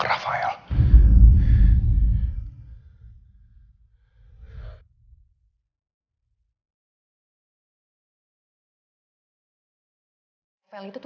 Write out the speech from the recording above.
kenapa dia berkenaan mereka